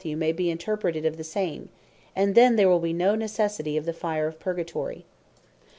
may be interpreted of the same; and then there will be no necessity of the Fire of Purgatory.